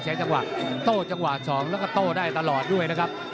จังหวะโต้จังหวะ๒แล้วก็โต้ได้ตลอดด้วยนะครับ